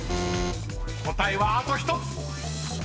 ［答えはあと１つ！］